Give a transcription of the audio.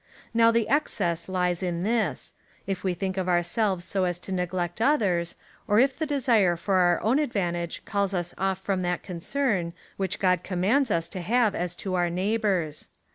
Now the excess lies in this — if we think of ourselves so as to neglect others, or if the desire of our own advantage calls us oif from that concern, which God commands us to have as to our neighbours.